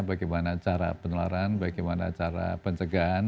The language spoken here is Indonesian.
bagaimana cara penularan bagaimana cara pencegahan